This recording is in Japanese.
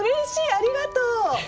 ありがとう！